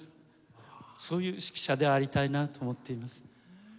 そういう指揮者でありたいなと思っています。